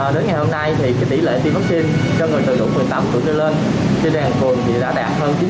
đến ngày hôm nay thì tỷ lệ tiêm vaccine cho người từ độ phương tạp tuổi như lên